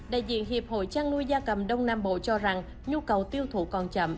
đại diện hiệp hội chăn nuôi gia cầm đông nam bộ cho rằng nhu cầu tiêu thụ còn chậm